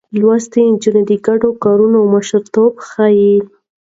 لوستې نجونې د ګډو کارونو مشرتابه ښيي.